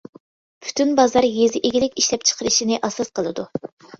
پۈتۈن بازار يېزا ئىگىلىك ئىشلەپچىقىرىشىنى ئاساس قىلىدۇ.